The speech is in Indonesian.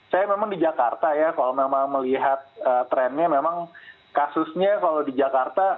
saya memang di jakarta ya kalau memang melihat trennya memang kasusnya kalau di jakarta